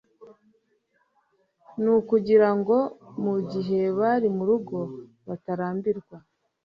Ni ukugira ngo mu gihe bari mu rugo batarambirwa